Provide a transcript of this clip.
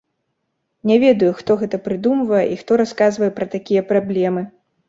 Не ведаю, хто гэта прыдумвае і хто расказвае пра такія праблемы!